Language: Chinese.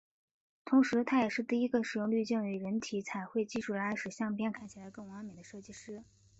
同时他也是第一个使用滤镜与人体彩绘技术来使相片看起来更完美的摄影师。